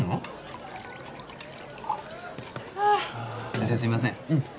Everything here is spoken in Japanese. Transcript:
先生すいません。